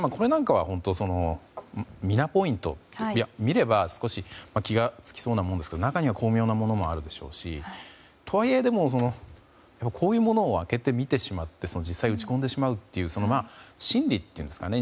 これなんかは「ミナポイント」で見れば少し気が付きそうなものですが中には巧妙なものもありそうですしとはいえ、こういうものを開けてみてしまって実際に打ち込んでしまう心理っていうんですかね